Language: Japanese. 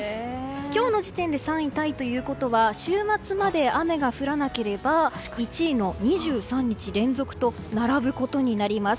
今日の時点で３位タイということは、週末まで雨が降らなければ１位の２３日連続と並ぶことになります。